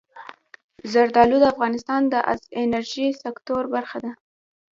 زردالو د افغانستان د انرژۍ سکتور برخه ده.